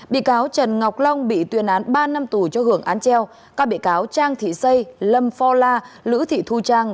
bị cáo trần ngọc long bị tuyên án ba năm tù cho hưởng án treo các bị cáo trang thị xây lâm pho la lữ thị thu trang